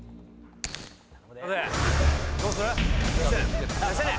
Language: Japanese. どうする？